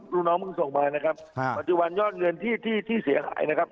ลูกน้องเพิ่งส่งมานะครับปัจจุบันยอดเงินที่ที่เสียหายนะครับ